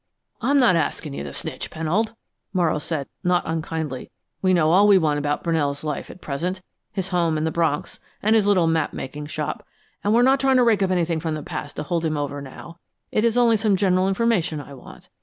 "I'm not asking you to snitch, Pennold," Morrow said, not unkindly. "We know all we want to about Brunell's life at present his home in the Bronx, and his little map making shop and we're not trying to rake up anything from the past to hold over him now; it is only some general information I want.